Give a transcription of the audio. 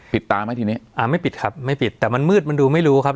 ตาไหมทีนี้อ่าไม่ปิดครับไม่ปิดแต่มันมืดมันดูไม่รู้ครับ